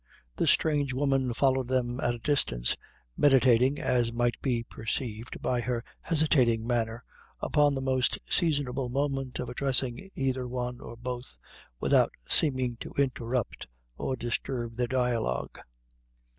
The strange woman followed them at a distance, meditating, as might be perceived by her hesitating manner, upon the most seasonable moment of addressing either one or both, without seeming to interrupt or disturb their dialogue.